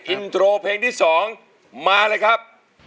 อินโทรเพลงที่๒มาเลยครับ